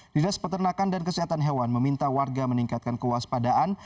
dinas peternakan dan kesehatan hewan meminta warga meningkatkan kewaspadaan